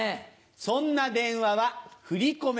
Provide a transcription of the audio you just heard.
そんな電話は振り込め